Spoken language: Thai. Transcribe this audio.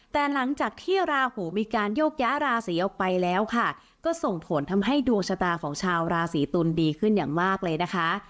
แต่หลังจากที่ราหูมีการโยกย้าราศีออกไปแล้วค่ะก็ส่งผลทำให้ดวงชะตาของชาวราศีตุลดีขึ้นอย่างมากเลยนะคะ